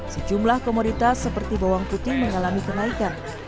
sejumlah komoditas seperti bawang putih mengalami kenaikan